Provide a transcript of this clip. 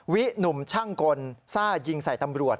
หนุ่มช่างกลซ่ายิงใส่ตำรวจ